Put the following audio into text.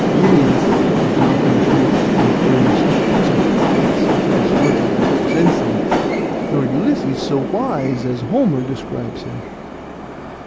Æneas was not in truth and earnest so pious as Virgil represents him, nor Ulysses so wise as Homer describes him."